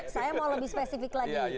saya mau lebih spesifik lagi